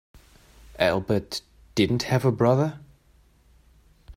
Albert didn't have a brother.